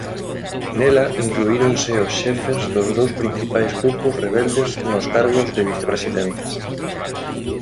Nela incluíronse ós xefes dos dous principais grupos rebeldes nos cargos de vicepresidentes.